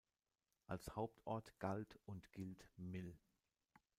Als Hauptort galt und gilt Mill.